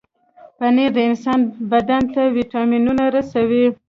پنېر د انسان بدن ته وټامنونه رسوي.